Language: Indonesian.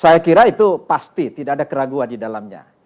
saya kira itu pasti tidak ada keraguan di dalamnya